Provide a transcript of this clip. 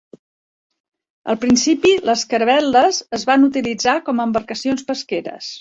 Al principi les caravel·les es van utilitzar com a embarcacions pesqueres.